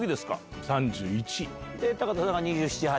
田さんが２７２８？